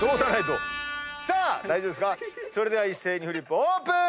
それでは一斉にフリップオープン！